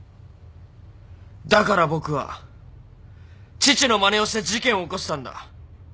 だから僕は父のまねをして事件を起こしたんだ。